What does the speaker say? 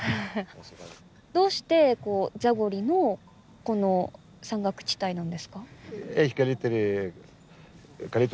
どうしてザゴリのこの山岳地帯なんですか？